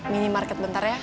mini market bentar ya